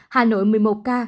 hà nội một mươi một ca